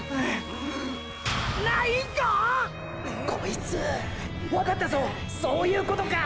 こいつわかったぞそういうことか！